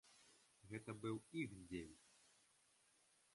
Гэта быў іх дзень!